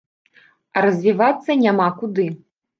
А развівацца няма куды.